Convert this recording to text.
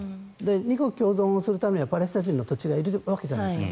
２国共存をするためにはパレスチナ人の土地がいるわけじゃないですか。